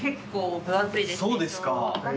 そうですか。